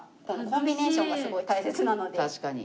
確かに。